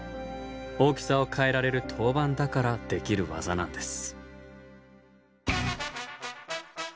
大きさを変えられる陶板だからできる技なんです。